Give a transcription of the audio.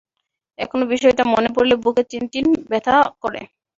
এখনও বিষয়টা মনে পড়লে বুকে চিনচিন করে ব্যাথা করে!